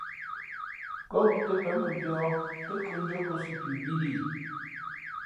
Kά wū tά pěn mʉmbīᾱ tά khʉᾱndʉ́ά kōsī pʉ bíí li ?